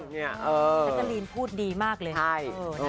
นักการีนพูดดีมากเลย